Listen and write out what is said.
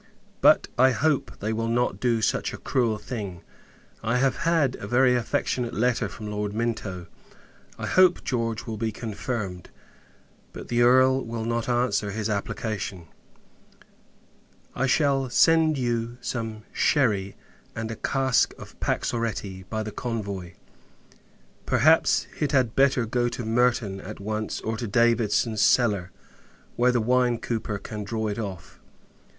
But, I hope, they will not do such a cruel thing. I have had a very affectionate letter from Lord Minto. I hope George will be confirmed; but, the Earl will not answer his application. I shall send you some sherry, and a cask of paxoretti, by the convoy. Perhaps, it had better go to Merton, at once; or, to Davison's cellar, where the wine cooper can draw it off.